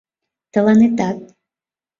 Тыланетат